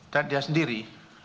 dan dia sendiri